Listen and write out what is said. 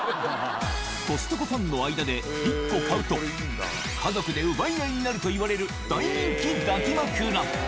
コストコファンの間で、１個買うと、家族で奪い合いになるといわれる大人気抱き枕。